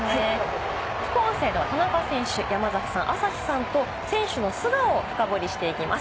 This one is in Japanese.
副音声では田中選手、山崎さん、朝日さんと選手の素顔を深堀りしていきます。